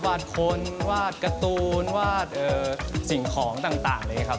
บาฏสิ่งของต่างเลยครับ